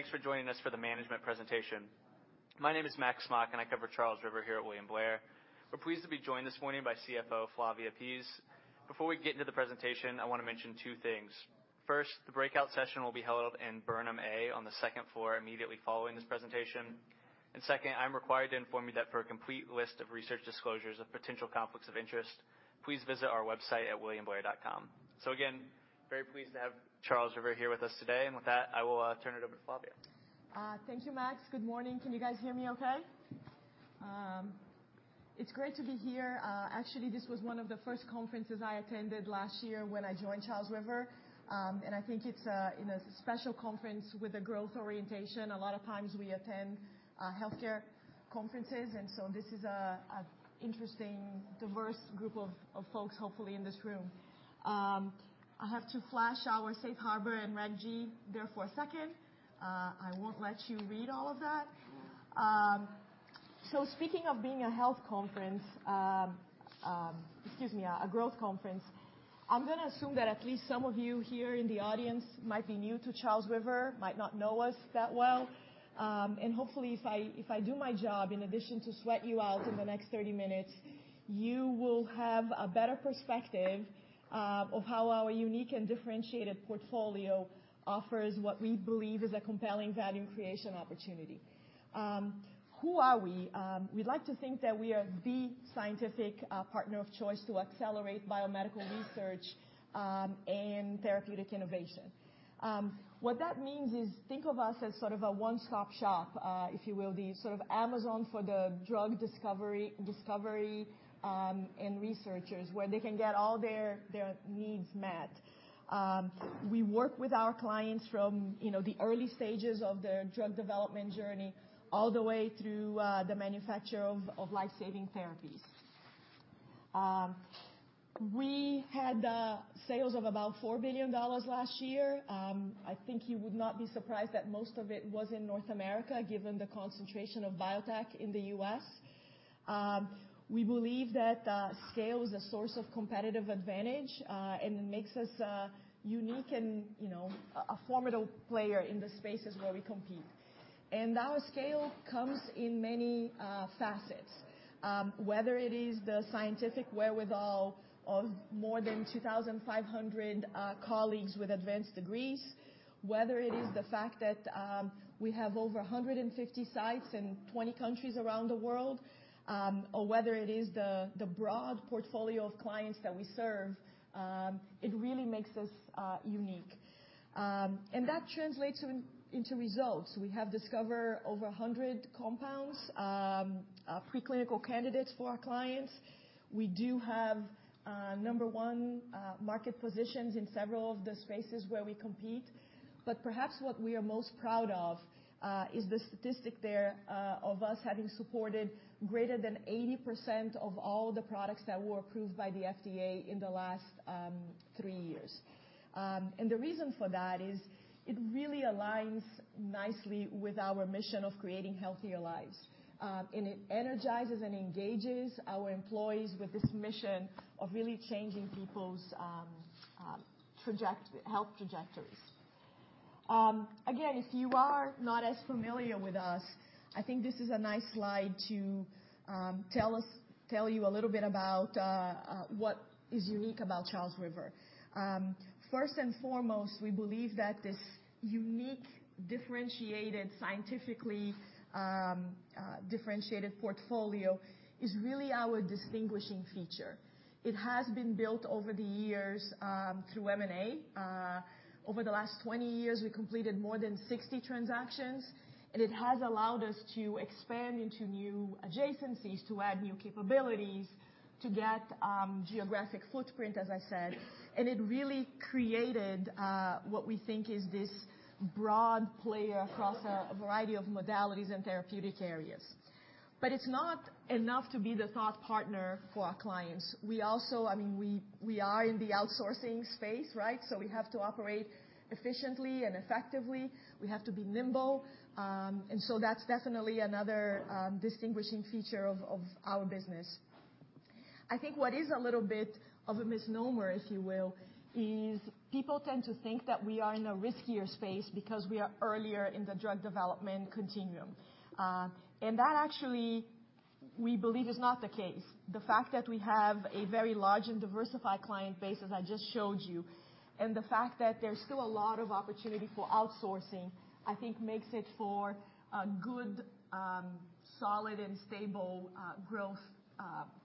Thanks for joining us for the management presentation. My name is Max Mock, and I cover Charles River here at William Blair. We're pleased to be joined this morning by CFO Flavia Pease. Before we get into the presentation, I want to mention two things. First, the breakout session will be held in Burnham A on the second floor immediately following this presentation. And second, I'm required to inform you that for a complete list of research disclosures of potential conflicts of interest, please visit our website at williamblair.com. So again, very pleased to have Charles River here with us today. And with that, I will turn it over to Flavia. Thank you, Max. Good morning. Can you guys hear me okay? It's great to be here. Actually, this was one of the first conferences I attended last year when I joined Charles River. And I think it's a special conference with a growth orientation. A lot of times we attend health care conferences. And so this is an interesting, diverse group of folks, hopefully, in this room. I have to flash our Safe Harbor and Reg G there for a second. I won't let you read all of that. So speaking of being a health conference, excuse me, a growth conference, I'm going to assume that at least some of you here in the audience might be new to Charles River, might not know us that well. Hopefully, if I do my job, in addition to sweat you out in the next 30 minutes, you will have a better perspective of how our unique and differentiated portfolio offers what we believe is a compelling value creation opportunity. Who are we? We'd like to think that we are the scientific partner of choice to accelerate biomedical research and therapeutic innovation. What that means is think of us as sort of a one-stop shop, if you will, the sort of Amazon for the drug discovery and researchers, where they can get all their needs met. We work with our clients from the early stages of their drug development journey all the way through the manufacture of lifesaving therapies. We had sales of about $4 billion last year. I think you would not be surprised that most of it was in North America, given the concentration of biotech in the U.S. We believe that scale is a source of competitive advantage, and it makes us unique and a formidable player in the spaces where we compete. And our scale comes in many facets, whether it is the scientific wherewithal of more than 2,500 colleagues with advanced degrees, whether it is the fact that we have over 150 sites in 20 countries around the world, or whether it is the broad portfolio of clients that we serve, it really makes us unique. And that translates into results. We have discovered over 100 compounds, preclinical candidates for our clients. We do have number one market positions in several of the spaces where we compete. But perhaps what we are most proud of is the statistic there of us having supported greater than 80% of all the products that were approved by the FDA in the last three years. And the reason for that is it really aligns nicely with our mission of creating healthier lives. And it energizes and engages our employees with this mission of really changing people's health trajectories. Again, if you are not as familiar with us, I think this is a nice slide to tell you a little bit about what is unique about Charles River. First and foremost, we believe that this unique, differentiated, scientifically differentiated portfolio is really our distinguishing feature. It has been built over the years through M&A. Over the last 20 years, we completed more than 60 transactions. And it has allowed us to expand into new adjacencies, to add new capabilities, to get geographic footprint, as I said. And it really created what we think is this broad player across a variety of modalities and therapeutic areas. But it's not enough to be the thought partner for our clients. We also, I mean, we are in the outsourcing space, right? So we have to operate efficiently and effectively. We have to be nimble. And so that's definitely another distinguishing feature of our business. I think what is a little bit of a misnomer, if you will, is people tend to think that we are in a riskier space because we are earlier in the drug development continuum. And that actually, we believe, is not the case. The fact that we have a very large and diversified client base, as I just showed you, and the fact that there's still a lot of opportunity for outsourcing, I think makes it for a good, solid, and stable growth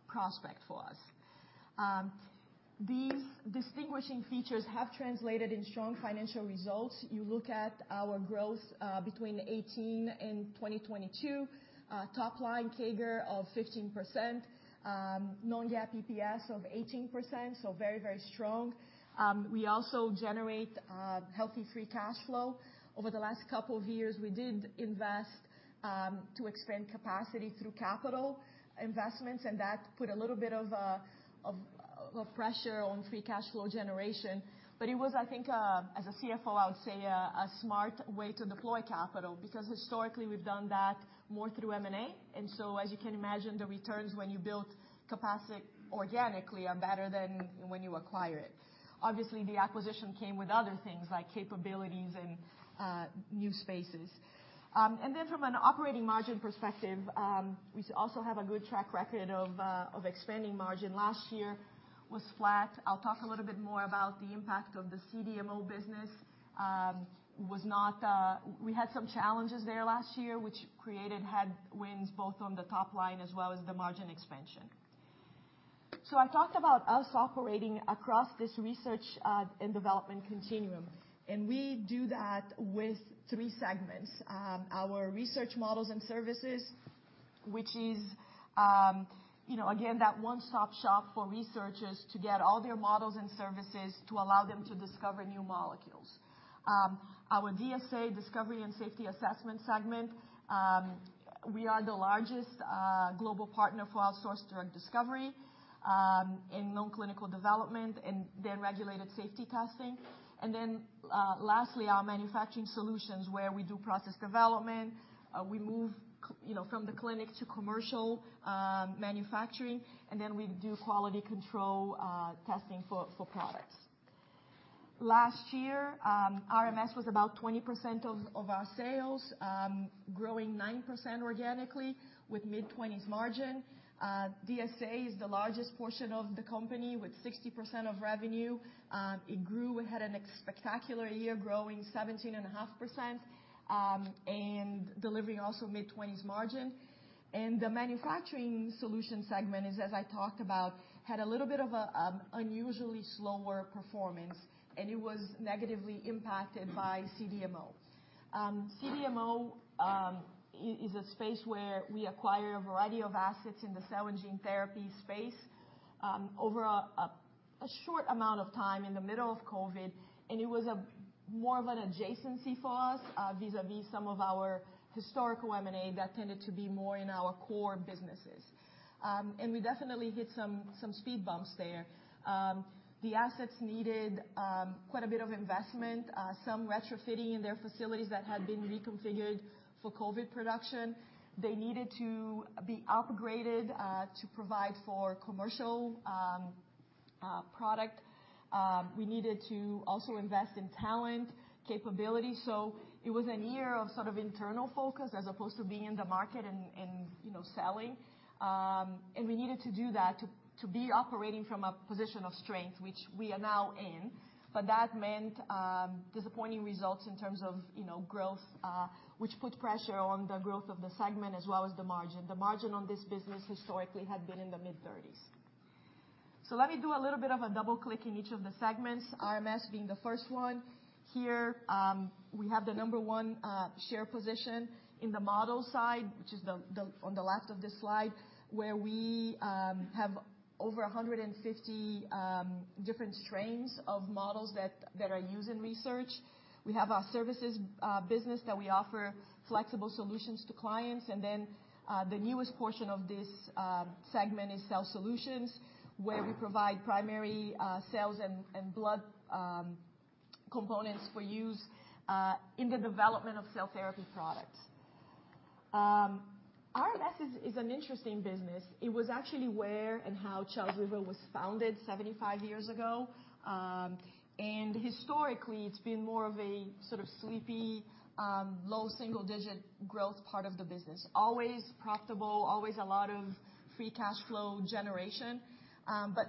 prospect for us. These distinguishing features have translated in strong financial results. You look at our growth between 2018 and 2022, top line CAGR of 15%, non-GAAP EPS of 18%, so very, very strong. We also generate healthy free cash flow. Over the last couple of years, we did invest to expand capacity through capital investments. And that put a little bit of pressure on free cash flow generation. But it was, I think, as a CFO, I would say a smart way to deploy capital because historically, we've done that more through M&A. And so as you can imagine, the returns when you build capacity organically are better than when you acquire it. Obviously, the acquisition came with other things like capabilities and new spaces. And then from an operating margin perspective, we also have a good track record of expanding margin. Last year was flat. I'll talk a little bit more about the impact of the CDMO business. We had some challenges there last year, which created headwinds both on the top line as well as the margin expansion. So I talked about us operating across this research and development continuum. And we do that with three segments: our Research Models and Services, which is, again, that one-stop shop for researchers to get all their models and services to allow them to discover new molecules. Our DSA, discovery and safety assessment segment, we are the largest global partner for outsourced drug discovery and non-clinical development and then regulated safety testing. And then lastly, our manufacturing solutions, where we do process development. We move from the clinic to commercial manufacturing. And then we do quality control testing for products. Last year, RMS was about 20% of our sales, growing 9% organically with mid-20s margin. DSA is the largest portion of the company with 60% of revenue. It grew. We had a spectacular year growing 17.5% and delivering also mid-20s margin. And the manufacturing solution segment is, as I talked about, had a little bit of an unusually slower performance. And it was negatively impacted by CDMO. CDMO is a space where we acquire a variety of assets in the cell and gene therapy space over a short amount of time in the middle of COVID. And it was more of an adjacency for us vis-à-vis some of our historical M&A that tended to be more in our core businesses. And we definitely hit some speed bumps there. The assets needed quite a bit of investment, some retrofitting in their facilities that had been reconfigured for COVID production. They needed to be upgraded to provide for commercial product. We needed to also invest in talent, capability. So it was a year of sort of internal focus as opposed to being in the market and selling. And we needed to do that to be operating from a position of strength, which we are now in. But that meant disappointing results in terms of growth, which put pressure on the growth of the segment as well as the margin. The margin on this business historically had been in the mid-30s%. So let me do a little bit of a double-click in each of the segments, RMS being the first one. Here, we have the number one share position in the model side, which is on the left of this slide, where we have over 150 different strains of models that are used in research. We have our services business that we offer flexible solutions to clients. And then the newest portion of this segment is cell solutions, where we provide primary cells and blood components for use in the development of cell therapy products. RMS is an interesting business. It was actually where and how Charles River was founded 75 years ago. And historically, it's been more of a sort of sleepy, low single-digit growth part of the business, always profitable, always a lot of free cash flow generation, but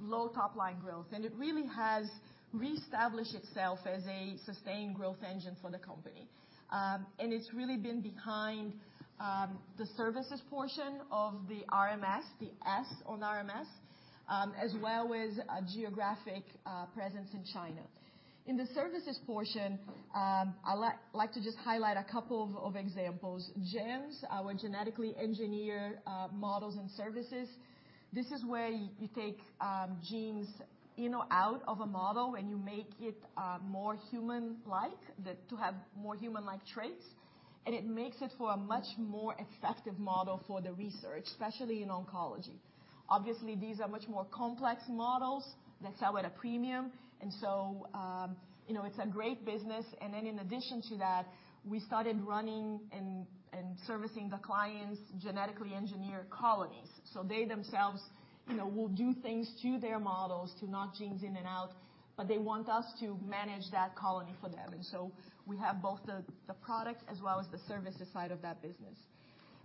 low top line growth. And it really has reestablished itself as a sustained growth engine for the company. And it's really been behind the services portion of the RMS, the S on RMS, as well as a geographic presence in China. In the services portion, I'd like to just highlight a couple of examples. GEMS, our genetically engineered models and services, this is where you take genes in or out of a model and you make it more human-like, to have more human-like traits. And it makes it for a much more effective model for the research, especially in oncology. Obviously, these are much more complex models. That's our premium. And so it's a great business. And then in addition to that, we started running and servicing the clients' genetically engineered colonies. So they themselves will do things to their models to knock genes in and out, but they want us to manage that colony for them. And so we have both the product as well as the services side of that business.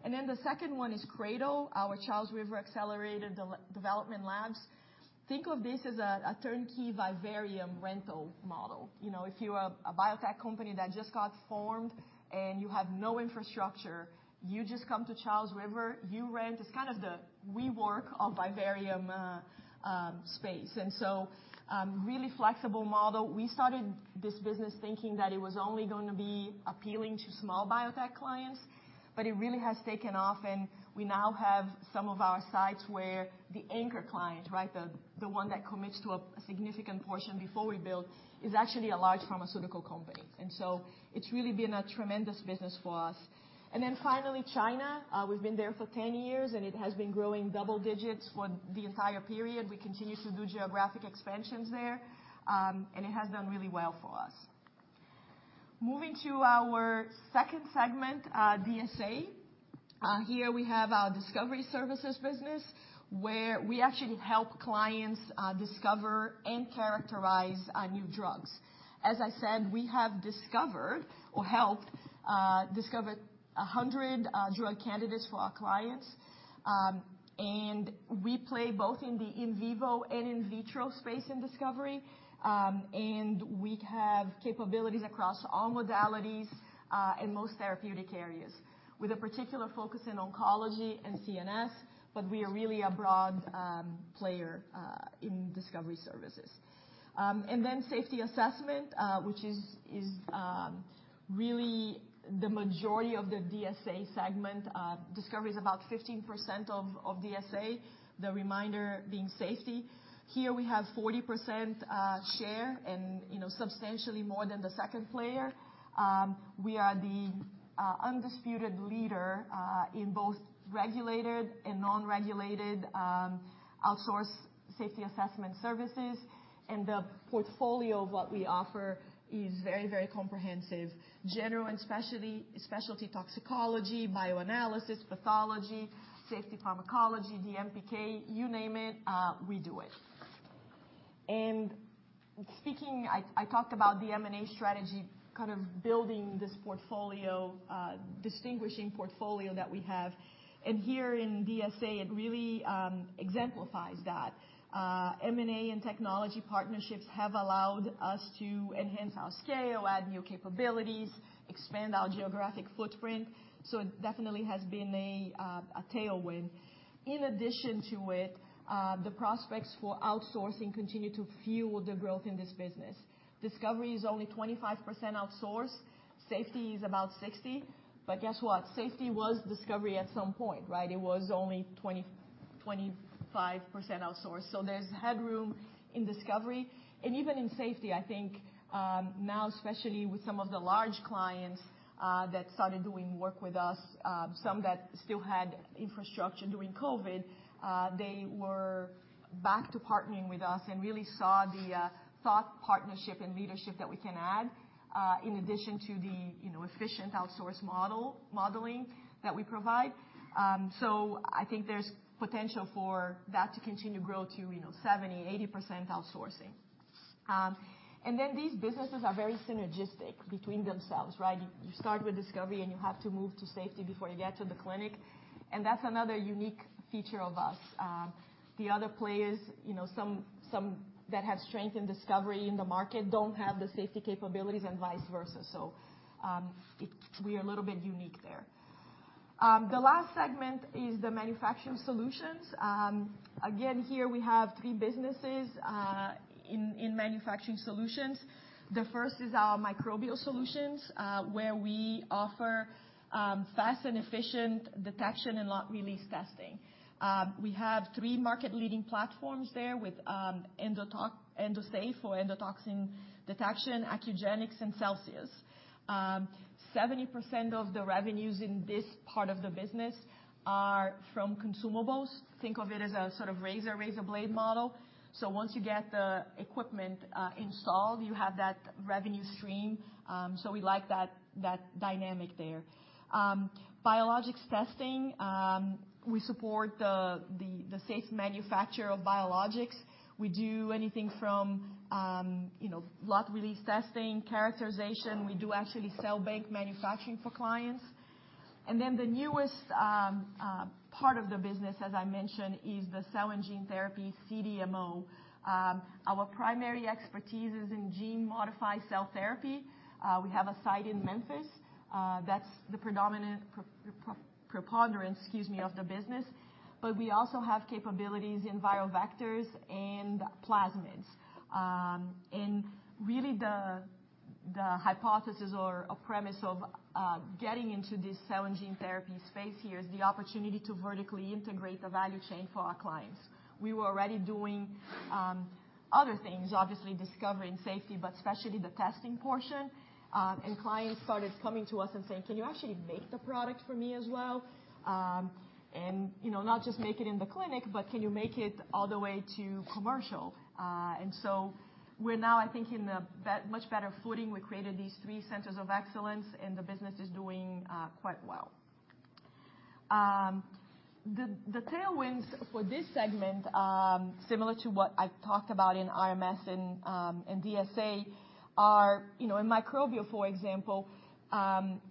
And then the second one is CRADL, our Charles River Accelerator and Development Labs. Think of this as a turnkey vivarium rental model. If you're a biotech company that just got formed and you have no infrastructure, you just come to Charles River, you rent. It's kind of the WeWork of vivarium space. And so really flexible model. We started this business thinking that it was only going to be appealing to small biotech clients, but it really has taken off. And we now have some of our sites where the anchor client, right, the one that commits to a significant portion before we build, is actually a large pharmaceutical company. And so it's really been a tremendous business for us. And then finally, China. We've been there for 10 years, and it has been growing double digits for the entire period. We continue to do geographic expansions there. And it has done really well for us. Moving to our second segment, DSA. Here we have our discovery services business, where we actually help clients discover and characterize new drugs. As I said, we have discovered or helped discover 100 drug candidates for our clients. And we play both in the in vivo and in vitro space in discovery. And we have capabilities across all modalities and most therapeutic areas, with a particular focus in oncology and CNS. But we are really a broad player in discovery services. And then safety assessment, which is really the majority of the DSA segment. Discovery is about 15% of DSA, the remainder being safety. Here we have 40% share and substantially more than the second player. We are the undisputed leader in both regulated and non-regulated outsourced safety assessment services. And the portfolio of what we offer is very, very comprehensive, general and specialty toxicology, bioanalysis, pathology, safety pharmacology, DMPK, you name it, we do it. And speaking, I talked about the M&A strategy, kind of building this portfolio, distinguishing portfolio that we have. And here in DSA, it really exemplifies that. M&A and technology partnerships have allowed us to enhance our scale, add new capabilities, expand our geographic footprint. So it definitely has been a tailwind. In addition to it, the prospects for outsourcing continue to fuel the growth in this business. Discovery is only 25% outsourced. Safety is about 60%. But guess what? Safety was discovery at some point, right? It was only 25% outsourced. So there's headroom in discovery. And even in safety, I think now, especially with some of the large clients that started doing work with us, some that still had infrastructure during COVID, they were back to partnering with us and really saw the thought partnership and leadership that we can add in addition to the efficient outsource modeling that we provide. So I think there's potential for that to continue to grow to 70%-80% outsourcing. And then these businesses are very synergistic between themselves, right? You start with discovery and you have to move to safety before you get to the clinic. That's another unique feature of us. The other players, some that have strengthened discovery in the market, don't have the safety capabilities and vice versa. We are a little bit unique there. The last segment is the manufacturing solutions. Again, here we have three businesses in manufacturing solutions. The first is our microbial solutions, where we offer fast and efficient detection and lot release testing. We have three market-leading platforms there with Endosafe for endotoxin detection, Accugenix, and Celsis. 70% of the revenues in this part of the business are from consumables. Think of it as a sort of razor-blade model. Once you get the equipment installed, you have that revenue stream. We like that dynamic there. Biologics testing, we support the safe manufacture of biologics. We do anything from lot release testing, characterization. We do actually sell cell bank manufacturing for clients. And then the newest part of the business, as I mentioned, is the cell and gene therapy CDMO. Our primary expertise is in gene-modified cell therapy. We have a site in Memphis. That's the predominant preponderance, excuse me, of the business. But we also have capabilities in viral vectors and plasmids. And really, the hypothesis or premise of getting into this cell and gene therapy space here is the opportunity to vertically integrate the value chain for our clients. We were already doing other things, obviously discovery and safety, but especially the testing portion. And clients started coming to us and saying, "Can you actually make the product for me as well?" And not just make it in the clinic, but can you make it all the way to commercial? And so we're now, I think, in a much better footing. We created these three centers of excellence, and the business is doing quite well. The tailwinds for this segment, similar to what I talked about in RMS and DSA, are in microbial, for example,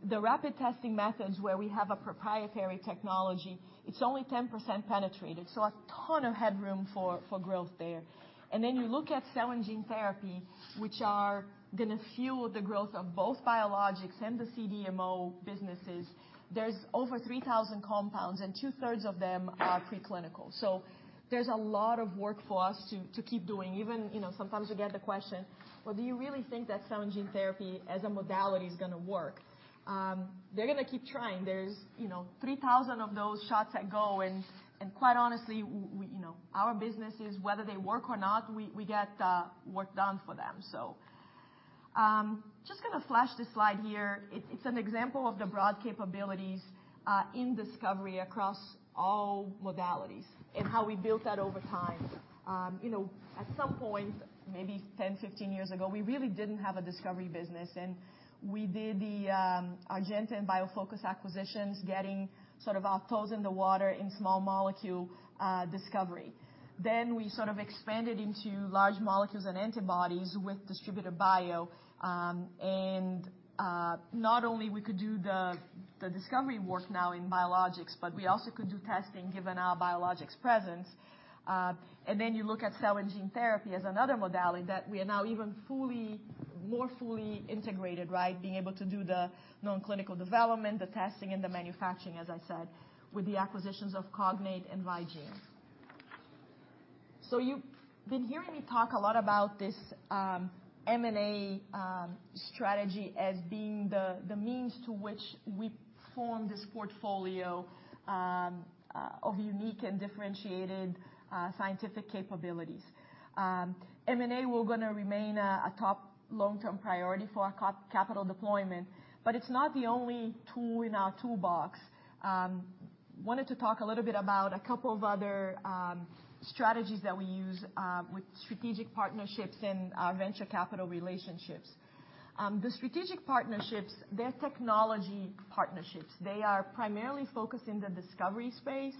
the rapid testing methods where we have a proprietary technology. It's only 10% penetrated. So a ton of headroom for growth there. And then you look at cell and gene therapy, which are going to fuel the growth of both biologics and the CDMO businesses. There's over 3,000 compounds, and two-thirds of them are preclinical. So there's a lot of work for us to keep doing. Even sometimes we get the question, "Well, do you really think that cell and gene therapy as a modality is going to work?" They're going to keep trying. There's 3,000 of those shots that go. And quite honestly, our businesses, whether they work or not, we get work done for them. So just going to flash this slide here. It's an example of the broad capabilities in discovery across all modalities and how we built that over time. At some point, maybe 10-15 years ago, we really didn't have a discovery business. And we did the Argenta and BioFocus acquisitions, getting sort of our toes in the water in small molecule discovery. Then we sort of expanded into large molecules and antibodies with Distributed Bio. And not only could we do the discovery work now in biologics, but we also could do testing given our biologics presence. And then you look at cell and gene therapy as another modality that we are now even more fully integrated, right? Being able to do the non-clinical development, the testing, and the manufacturing, as I said, with the acquisitions of Cognate and Vigene. So you've been hearing me talk a lot about this M&A strategy as being the means to which we form this portfolio of unique and differentiated scientific capabilities. M&A will going to remain a top long-term priority for our capital deployment, but it's not the only tool in our toolbox. I wanted to talk a little bit about a couple of other strategies that we use with strategic partnerships and our venture capital relationships. The strategic partnerships, they're technology partnerships. They are primarily focused in the discovery space,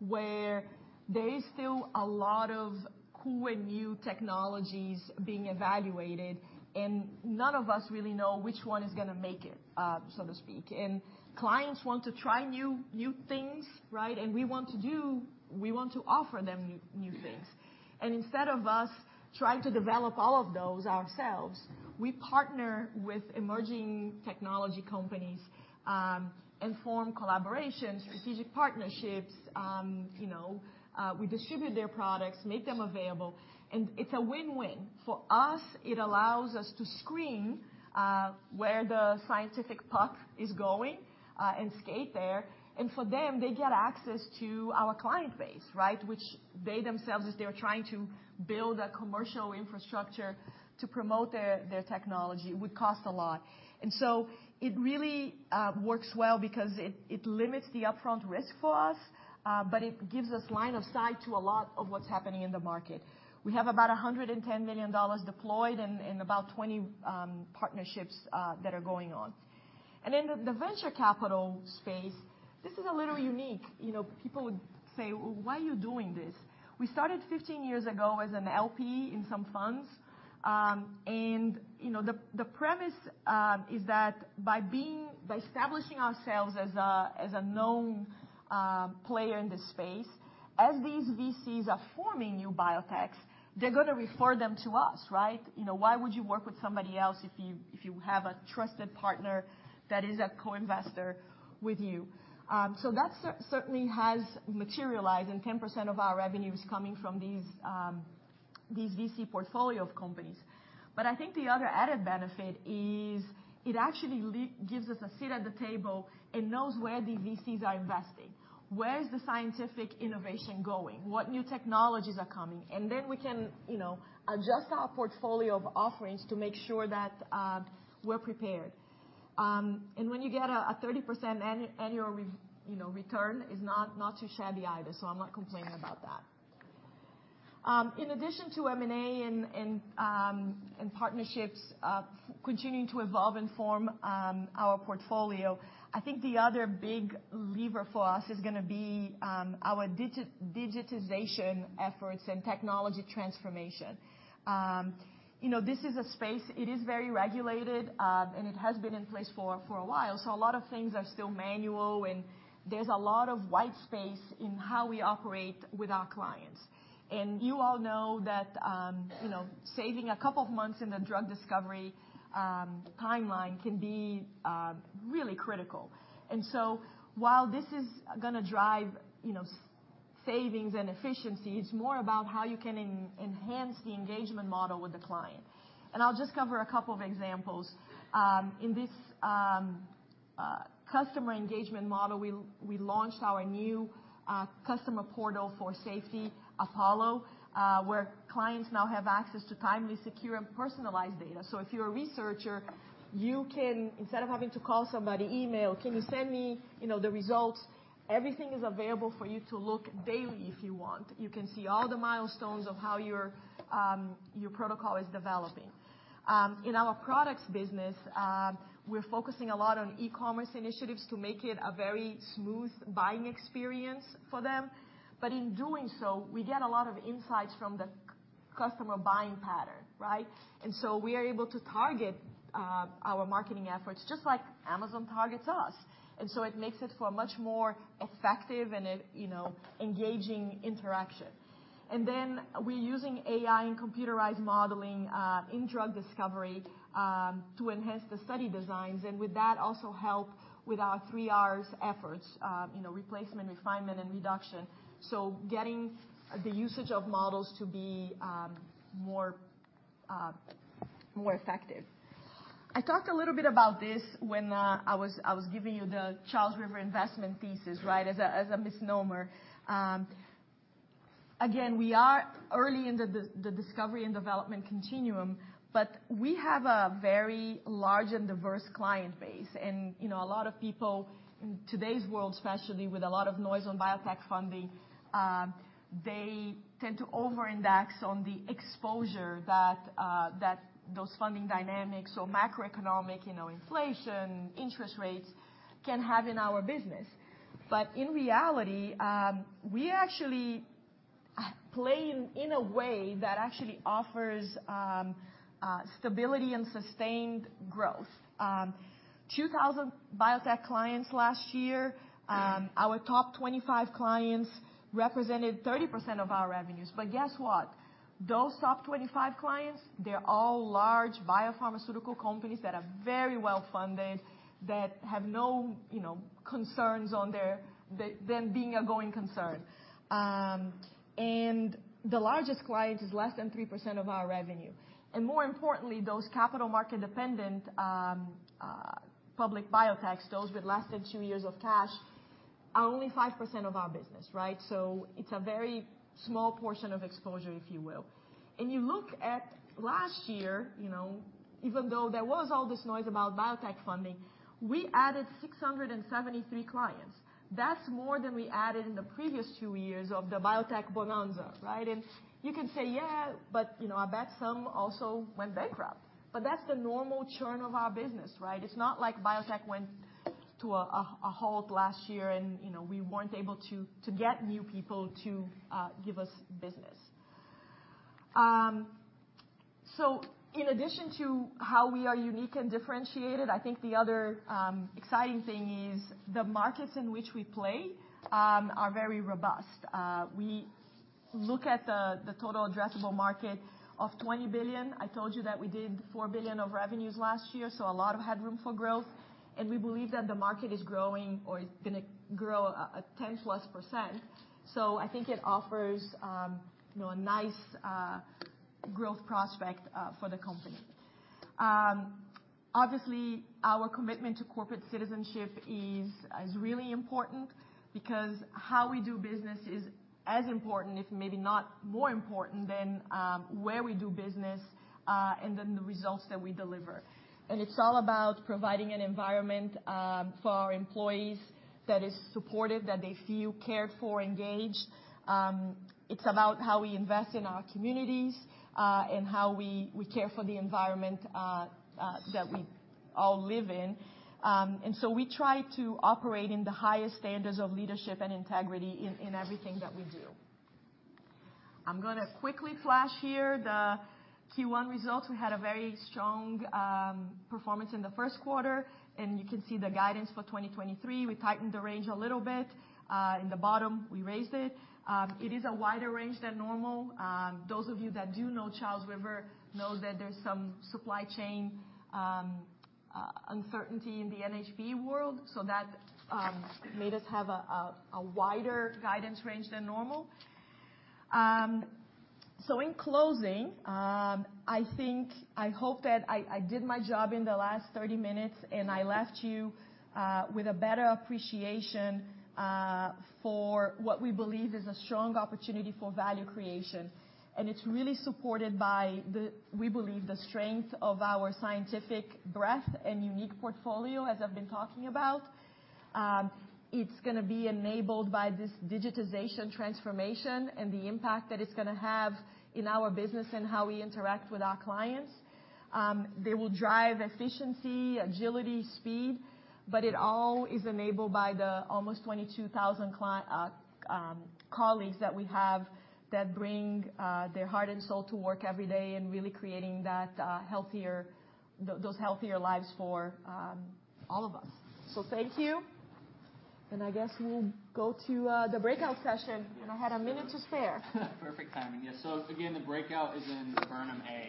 where there is still a lot of cool and new technologies being evaluated, and none of us really know which one is going to make it, so to speak. And clients want to try new things, right? We want to offer them new things. Instead of us trying to develop all of those ourselves, we partner with emerging technology companies and form collaborations, strategic partnerships. We distribute their products, make them available. It's a win-win. For us, it allows us to screen where the scientific puck is going and skate there. For them, they get access to our client base, right? Which they themselves, if they're trying to build a commercial infrastructure to promote their technology, would cost a lot. So it really works well because it limits the upfront risk for us, but it gives us line of sight to a lot of what's happening in the market. We have about $110 million deployed and about 20 partnerships that are going on. In the venture capital space, this is a little unique. People would say, "Well, why are you doing this?" We started 15 years ago as an LP in some funds. And the premise is that by establishing ourselves as a known player in this space, as these VCs are forming new biotechs, they're going to refer them to us, right? Why would you work with somebody else if you have a trusted partner that is a co-investor with you? So that certainly has materialized, and 10% of our revenue is coming from these VC portfolio of companies. But I think the other added benefit is it actually gives us a seat at the table and knows where the VCs are investing. Where is the scientific innovation going? What new technologies are coming? And then we can adjust our portfolio of offerings to make sure that we're prepared. And when you get a 30% annual return, it's not too shabby either. So I'm not complaining about that. In addition to M&A and partnerships continuing to evolve and form our portfolio, I think the other big lever for us is going to be our digitization efforts and technology transformation. This is a space. It is very regulated, and it has been in place for a while. So a lot of things are still manual, and there's a lot of white space in how we operate with our clients. And you all know that saving a couple of months in the drug discovery timeline can be really critical. And so while this is going to drive savings and efficiency, it's more about how you can enhance the engagement model with the client. And I'll just cover a couple of examples. In this customer engagement model, we launched our new customer portal for safety, Apollo, where clients now have access to timely, secure, and personalized data. So if you're a researcher, you can, instead of having to call somebody, email, "Can you send me the results?" Everything is available for you to look daily if you want. You can see all the milestones of how your protocol is developing. In our products business, we're focusing a lot on e-commerce initiatives to make it a very smooth buying experience for them. But in doing so, we get a lot of insights from the customer buying pattern, right? And so we are able to target our marketing efforts just like Amazon targets us. And so it makes it for a much more effective and engaging interaction. Then we're using AI and computerized modeling in drug discovery to enhance the study designs and with that also help with our three Rs efforts, replacement, refinement, and reduction. Getting the usage of models to be more effective. I talked a little bit about this when I was giving you the Charles River Investment Thesis, right, as a misnomer. Again, we are early in the discovery and development continuum, but we have a very large and diverse client base. A lot of people in today's world, especially with a lot of noise on biotech funding, they tend to over-index on the exposure that those funding dynamics or macroeconomic inflation, interest rates can have in our business. In reality, we actually play in a way that actually offers stability and sustained growth. 2,000 biotech clients last year. Our top 25 clients represented 30% of our revenues. But guess what? Those top 25 clients, they're all large biopharmaceutical companies that are very well funded, that have no concerns on them being a going concern. And the largest client is less than 3% of our revenue. And more importantly, those capital market-dependent public biotechs, those with less than two years of cash, are only 5% of our business, right? So it's a very small portion of exposure, if you will. And you look at last year, even though there was all this noise about biotech funding, we added 673 clients. That's more than we added in the previous two years of the biotech bonanza, right? And you can say, "Yeah, but I bet some also went bankrupt." But that's the normal churn of our business, right? It's not like biotech went to a halt last year and we weren't able to get new people to give us business. So in addition to how we are unique and differentiated, I think the other exciting thing is the markets in which we play are very robust. We look at the total addressable market of $20 billion. I told you that we did $4 billion of revenues last year, so a lot of headroom for growth. And we believe that the market is growing or is going to grow a 10-plus%. So I think it offers a nice growth prospect for the company. Obviously, our commitment to corporate citizenship is really important because how we do business is as important, if maybe not more important, than where we do business and then the results that we deliver. And it's all about providing an environment for our employees that is supportive, that they feel cared for, engaged. It's about how we invest in our communities and how we care for the environment that we all live in. And so we try to operate in the highest standards of leadership and integrity in everything that we do. I'm going to quickly flash here the Q1 results. We had a very strong performance in the first quarter, and you can see the guidance for 2023. We tightened the range a little bit. In the bottom, we raised it. It is a wider range than normal. Those of you that do know Charles River know that there's some supply chain uncertainty in the NHP world, so that made us have a wider guidance range than normal. So in closing, I hope that I did my job in the last 30 minutes, and I left you with a better appreciation for what we believe is a strong opportunity for value creation. And it's really supported by, we believe, the strength of our scientific breadth and unique portfolio, as I've been talking about. It's going to be enabled by this digitization transformation and the impact that it's going to have in our business and how we interact with our clients. They will drive efficiency, agility, speed, but it all is enabled by the almost 22,000 colleagues that we have that bring their heart and soul to work every day and really creating those healthier lives for all of us. So thank you. And I guess we'll go to the breakout session, and I had a minute to spare. Perfect timing. Yeah. So again, the breakout is in Burnham A.